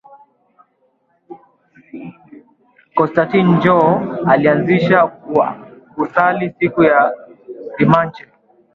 Constatin njo alianzisha ku Sali siku ya dimanche